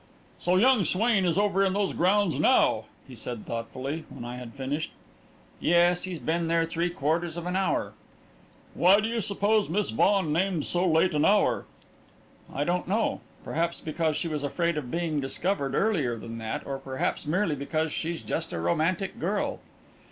"So young Swain is over in those grounds now," he said thoughtfully, when I had finished. "Yes; he's been there three quarters of an hour." "Why do you suppose Miss Vaughan named so late an hour?" "I don't know. Perhaps because she was afraid of being discovered earlier than that or perhaps merely because she's just a romantic girl."